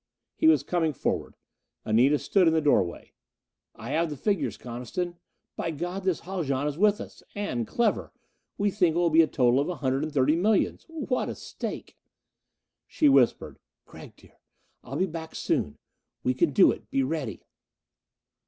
He was coming forward. Anita stood in the doorway. "I have the figures, Coniston. By God, this Haljan is with us! And clever! We think it will total a hundred and thirty millions. What a stake!" She whispered, "Gregg, dear I'll be back soon. We can do it be ready."